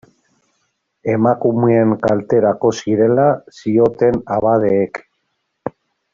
Emakumeen kalterako zirela zioten abadeek.